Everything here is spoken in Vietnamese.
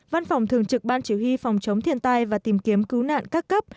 văn phòng thường trực ban chỉ huy phòng chống thiên tai và tìm kiếm cứu nạn các cấp